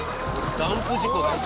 ダンプ事故だよ。